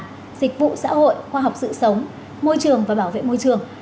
các dịch vụ xã hội khoa học sự sống môi trường và bảo vệ môi trường